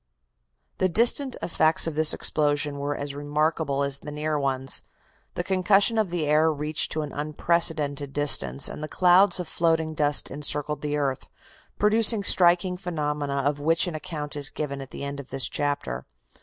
The distant effects of this explosion were as remarkable as the near ones. The concussion of the air reached to an unprecedented distance and the clouds of floating dust encircled the earth, producing striking phenomena of which an account is given at the end of this chapter.